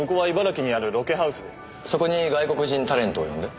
そこに外国人タレントを呼んで？